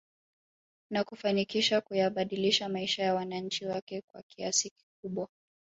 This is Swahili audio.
Na kufanikisha kuyabadilisha maisha ya wananchi wake kwa kiasi kikubwa